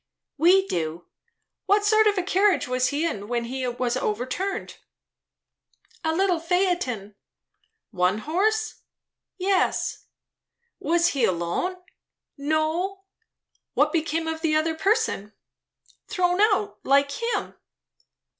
"We do. What sort of a carriage was he in when he was overturned?" "A little phaeton." "One horse?" "Yes." "Was he alone?" "No." "What became of the other person?" "Thrown out, like him."